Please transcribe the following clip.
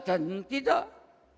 tidak ada dutch roll